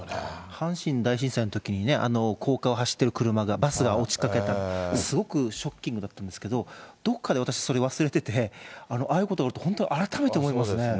阪神大震災のときに、高架を走っている車が、バスが落ちかけた、すごくショッキングだったんですけど、どこかで私、それ、忘れてて、ああいうことがあると本当に改めて思いますね。